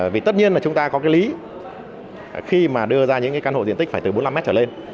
vì tất nhiên là chúng ta có cái lý khi mà đưa ra những cái căn hộ diện tích phải từ bốn mươi năm mét trở lên